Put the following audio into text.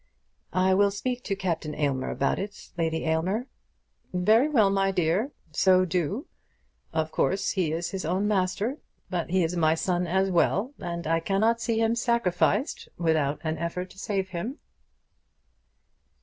"I will speak to Captain Aylmer about it, Lady Aylmer." "Very well, my dear. So do. Of course he is his own master. But he is my son as well, and I cannot see him sacrificed without an effort to save him."